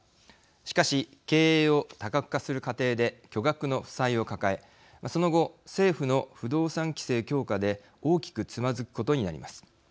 しかし、経営を多角化する過程で巨額の負債を抱えその後、政府の不動産規制強化で大きくつまずくことになります。